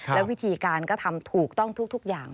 และวิธีการก็ทำถูกต้องทุกอย่าง